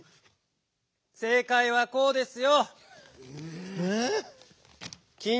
正かいはこうですよ！